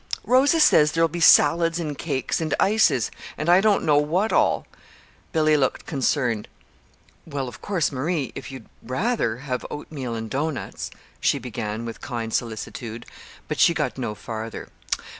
"Rosa says there'll be salads and cakes and ices and I don't know what all." Billy looked concerned. "Well, of course, Marie, if you'd rather have oatmeal and doughnuts," she began with kind solicitude; but she got no farther.